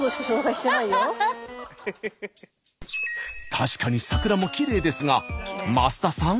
確かに桜もきれいですが増田さん